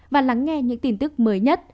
và lắng nghe những tin tức mới nhất